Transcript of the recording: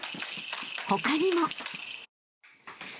［他にも］